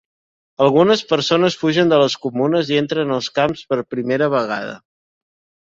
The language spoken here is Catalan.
Algunes persones fugen de les comunes i entren als camps per primera vegada.